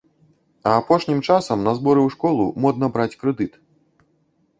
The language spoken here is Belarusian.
А апошнім часам на зборы ў школу модна браць крэдыт.